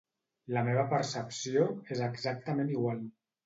La meva percepció és exactament igual.